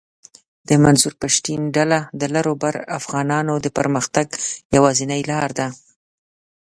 د منظور پشتین ډله د لر اوبر افغانانو د پرمختګ یواځنۍ لار ده